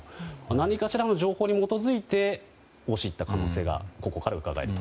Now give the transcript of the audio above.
何かしらの情報に基づいて押し入った可能性がここからうかがえます。